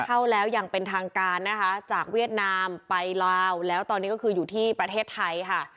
เข้าแล้วอย่างเป็นทางการนะคะจากเวียดนามไปลาวแล้วตอนนี้ก็คืออยู่ที่ประเทศไทยค่ะ